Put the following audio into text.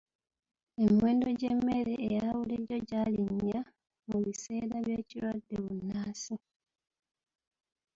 Emiwendo gy'emmere eya bulijjo gyalinnya mu biseera by'ekirwadde bbunansi.